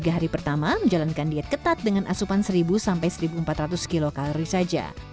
tiga hari pertama menjalankan diet ketat dengan asupan seribu sampai seribu empat ratus kilokalori saja